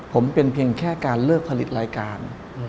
ผมเป็นเพียงแค่การเลิกผลิตรายการ